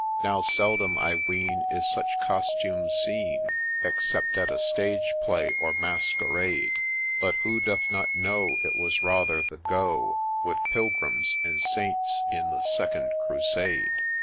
Now seldom, I ween, is such costume seen, Except at a stage play or masquerade ; But who doth not know it was rather the go With Pilgrims and Saints in the second Crusade